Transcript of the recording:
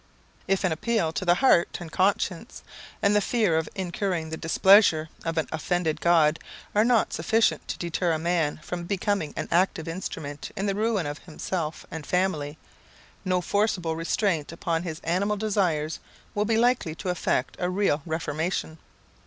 If an appeal to the heart and conscience, and the fear of incurring the displeasure of an offended God, are not sufficient to deter a man from becoming an active instrument in the ruin of himself and family, no forcible restraint upon his animal desires will be likely to effect a real reformation.